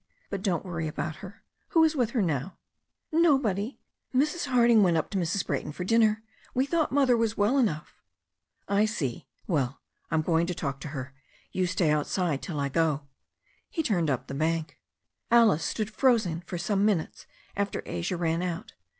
But don't worry about her. Who is with her now?*' "Nobody. Mrs. Harding went up to Mrs. Brayton for dinner. We thought Mother was well enough." "I see. Well, I'm going to talk to her. You stay outside till I go." He turned up the bank. Alice stood frozen for some minutes after Asia ran out.